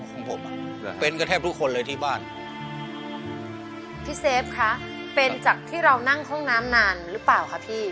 ของผมอ่ะเป็นก็แทบทุกคนเลยที่บ้านพี่เซฟคะเป็นจากที่เรานั่งห้องน้ำนานหรือเปล่าคะพี่